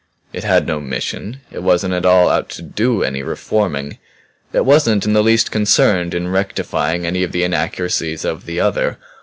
"It had no mission; it wasn't at all out to do any reforming; it wasn't in the least concerned in rectifying any of the inaccuracies of the Other.